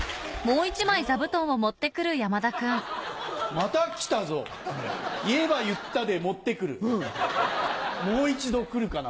また来たぞ言えば言ったで持ってくるもう一度来るかな？